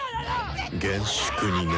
厳粛にな。